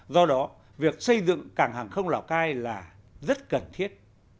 do đó việc xây dựng cảng hàng không lào cai là rất cần thiết